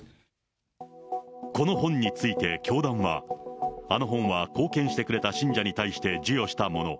この本について教団は、あの本は貢献してくれた信者に対して授与したもの。